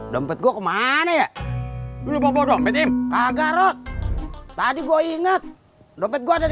dompet gua ke mana ya lu bawa dompet ini agar rod tadi gue inget dompet gua dari